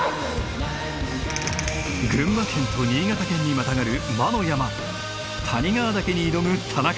群馬県と新潟県にまたがる魔の山谷川岳に挑む田中。